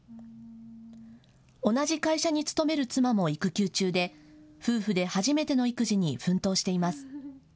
同じ会社に勤める妻も育休中で夫婦で初めての育児に奮闘しています。